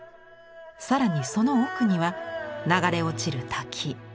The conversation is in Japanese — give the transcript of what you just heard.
更にその奥には流れ落ちる滝。